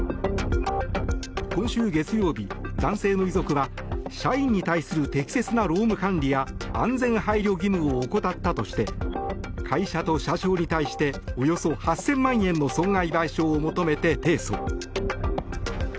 今週月曜日、男性の遺族は社員に対する適切な労務管理や安全配慮義務を怠ったとして会社と社長に対しておよそ８０００万円の損害賠償を求めて提訴。